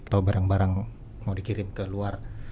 atau barang barang mau dikirim ke luar